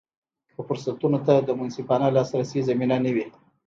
که فرصتونو ته د منصفانه لاسرسي زمینه نه وي.